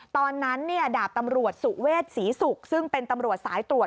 ตอนนั้นดาบตำรวจสุเวทศรีศุกร์ซึ่งเป็นตำรวจสายตรวจ